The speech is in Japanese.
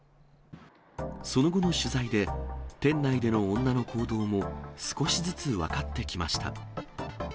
その後の取材で、店内での女の行動も、少しずつ分かってきました。